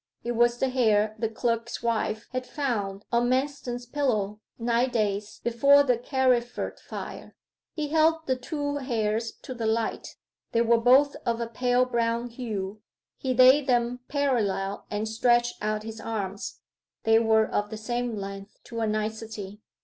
It was the hair the clerk's wife had found on Manston's pillow nine days before the Carriford fire. He held the two hairs to the light: they were both of a pale brown hue. He laid them parallel and stretched out his arms: they were of the same length to a nicety.